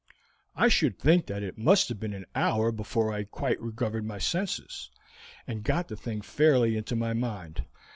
"I should think that it must have been an hour before I quite recovered my senses, and got the thing fairly into my mind.